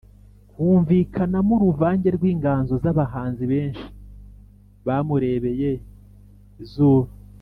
Humvikanamo uruvange rw'inganzo z'abahanzi benshi bamurebeye izuba